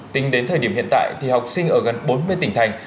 tính đến thời điểm hiện tại thì học sinh ở gần bốn mươi tỉnh thành